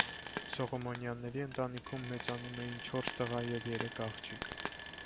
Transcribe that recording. Սողոմոնյանների ընտանիքում մեծանում էին չորս տղա և երեք աղջիկ։